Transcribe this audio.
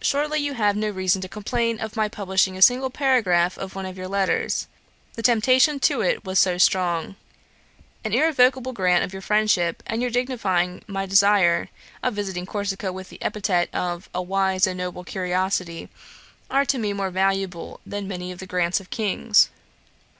Surely you have no reason to complain of my publishing a single paragraph of one of your letters; the temptation to it was so strong. An irrevocable grant of your friendship, and your dignifying my desire of visiting Corsica with the epithet of "a wise and noble curiosity," are to me more valuable than many of the grants of kings.